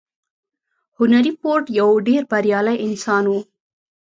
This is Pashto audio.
هنري فورډ يو ډېر بريالی انسان و.